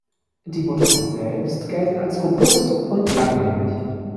Die Motoren selbst gelten als robust und langlebig.